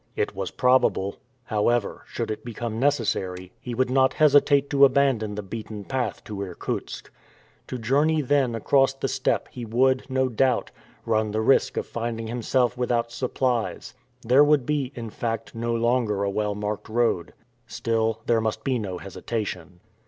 It was probable. However, should it become necessary, he would not hesitate to abandon the beaten path to Irkutsk. To journey then across the steppe he would, no doubt, run the risk of finding himself without supplies. There would be, in fact, no longer a well marked road. Still, there must be no hesitation.